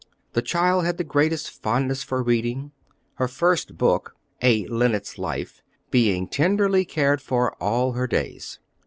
The child had the greatest fondness for reading, her first book, a Linnet's Life, being tenderly cared for all her days.